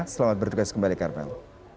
selamat bertugas kembali karmel